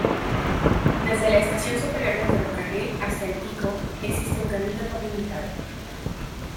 Desde la estación superior del ferrocarril hasta el pico existe un camino pavimentado.